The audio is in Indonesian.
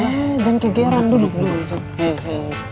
eh jangan kegeran duduk dulu